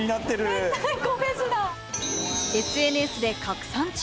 ＳＮＳで拡散中。